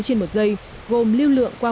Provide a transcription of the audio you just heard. trên một giây gồm lưu lượng qua